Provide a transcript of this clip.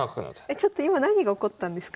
えちょっと今何が起こったんですか？